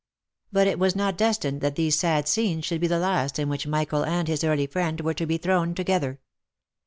But it was not destined that these sad scenes should be the last in which Michael and his early friend were to be thrown together.